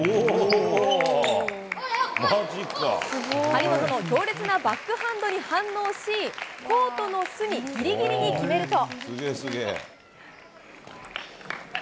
張本の強烈なバックハンドに反応し、コートの隅ぎりぎりに決めると。